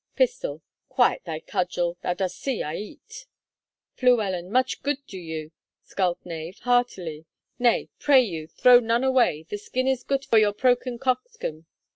Pist. Quiet thy cudgel; thou dost see, I eat. Flu. Much goot do you, scald knave, heartily. Nay, 'pray you, throw none away; the skin is goot for your proken coxcomb.